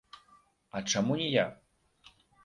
А чаму не я?